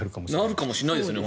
なるかもしれないですね